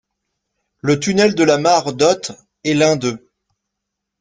Le tunnel de la Maredote est l'un d'eux.